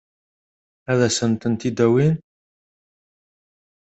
Ad sent-tent-id-awin?